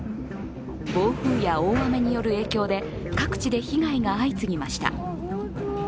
暴風や大雨による影響で各地で被害が相次ぎました。